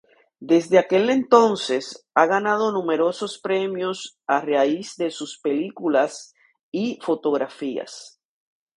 Desde aquel entonces, ha ganado numerosos premios a raíz de sus películas y fotografías.